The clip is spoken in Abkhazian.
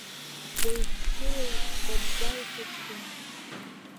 Уаҩԥсыла иккаӡа иҭацәын.